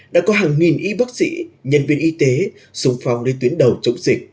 đã có hàng nghìn y bác sĩ nhân viên y tế sung phong lên tuyến đầu chống dịch